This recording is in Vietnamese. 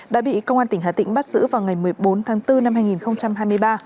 đã bị công an tỉnh hà tĩnh bắt giữ vào ngày một mươi bốn tháng bốn năm hai nghìn hai mươi ba